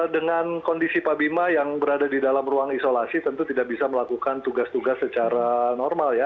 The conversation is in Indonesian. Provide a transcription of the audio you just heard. dengan kondisi pak bima yang berada di dalam ruang isolasi tentu tidak bisa melakukan tugas tugas secara normal ya